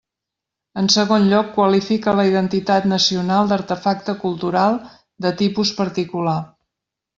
En segon lloc, qualifica la identitat nacional d'artefacte «cultural de tipus particular».